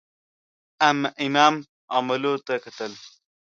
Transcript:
امام عملو ته کتل.